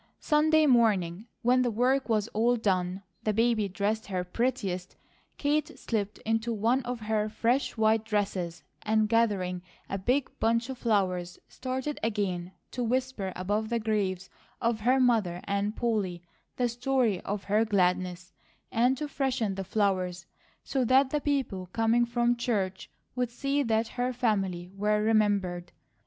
Sunday morning, when the work was all done, the baby dressed her prettiest, Kate slipped into one of her fresh white dresses and gathering a big bunch of flowers started again to whisper above the graves of her mother and Polly the story of her gladness, and to freshen the flowers, so that the people coming from church would see that her family were remembered.